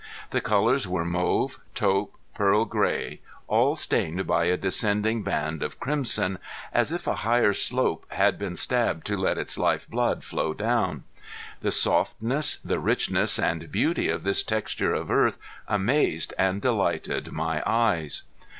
The colors were mauve, taupe, pearl gray, all stained by a descending band of crimson, as if a higher slope had been stabbed to let its life blood flow down. The softness, the richness and beauty of this texture of earth amazed and delighted my eyes.